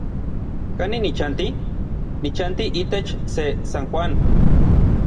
¿Kanin nichanti? Nichanti itech se San Juan.